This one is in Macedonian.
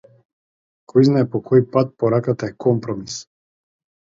Којзнае по кој пат пораката е компромис.